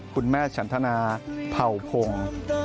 คุณแม่ฉันธนาเผ่าพงศ์